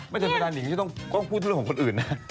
ไม่แต่แยกเตียงเหรอไม่แต่เวลานี้ก็ต้องพูดเรื่องของคนอื่นนะ